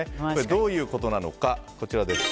どういうことなのか。